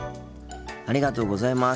ありがとうございます。